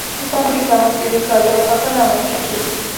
د پانګې کمښت د بېکارۍ او فقر لامل کیږي.